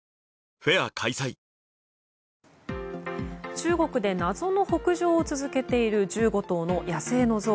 中国で謎の北上を続けている１５頭の野生のゾウ。